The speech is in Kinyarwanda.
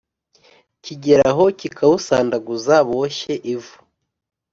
Kigeraho kikawusandaguza boshye ivu.